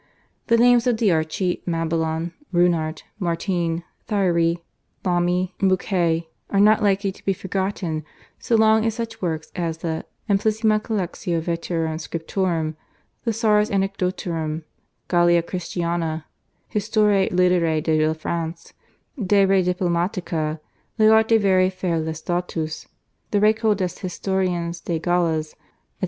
The names of D'Achery, Mabillon, Ruinart, Martene, Thierry, Lami and Bouquet are not likely to be forgotten so long as such works as the /Amplissima Collectio Veterum Scriptorum/, /Thesaurus Anecdotorum/, /Gallia Christiana/, /Histoire Litteraire de la France/, /De Re Diplomatica/, /L'Art de verifier les dates/, the /Receuil des historiens des Gaules/, etc.